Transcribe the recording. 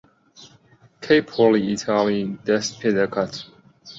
کەی پۆلی ئیتاڵی دەست پێ دەکات؟